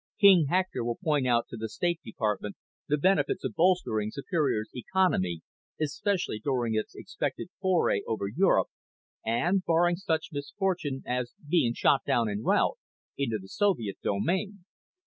King Hector will point out to the State Department the benefits of bolstering Superior's economy, especially during its expected foray over Europe and, barring such misfortune as being shot down en route, into the Soviet domain.